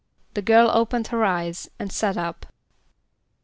=The girl opened her eyes and sat up.